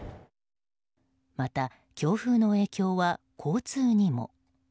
また、強風の影響は交通にも。